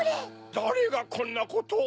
だれがこんなことを？